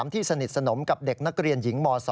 ที่สนิทสนมกับเด็กนักเรียนหญิงม๒